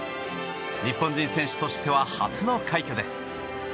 日本人選手としては初の快挙です。